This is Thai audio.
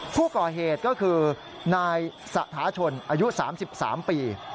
ผู้ก่อเหตุก็คือนายสถาชนอายุ๓๓ปี